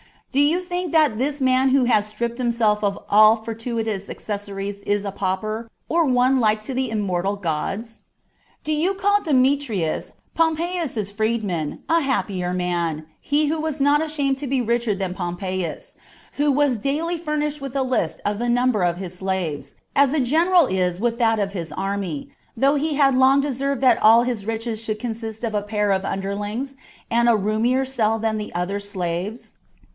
Do you think that this man who has stripped himself of all fortuitous accessories is a pauper, or one like to the immortal gods ? Do you call Demetrius, Pompeius's freedman, a happier man, he who was not ashamed to be richer than Pompeius, who was daily furnished with a list of the number of his slaves, as a general is with that of his army, though he had long deserved that all his riches should consist of a pair of underlings, and a roomier cell than the other slaves